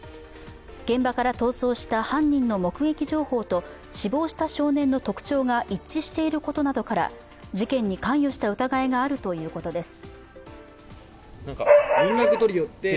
現場から逃走した犯人の目撃情報と死亡した少年の特徴が一致していることなどから事件に関与した疑いがあるということです。